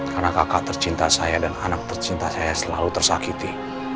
karena kakak tercinta saya dan anak tercinta saya selalu tersakiti